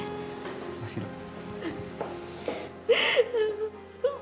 terima kasih dok